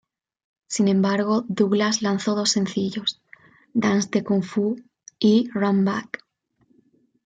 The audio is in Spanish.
Sin embargo, Douglas lanzó dos sencillos: "Dance The Kung Fu" y "Run Back".